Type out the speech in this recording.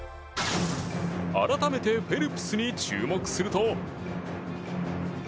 改めてフェルプスに注目すると。